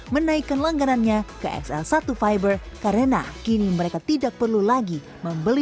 menaikkan langganannya ke xl satu fiber karena kini mereka tidak perlu lagi membeli paket beli belah